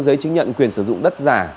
giấy chứng nhận quyền sử dụng đất giả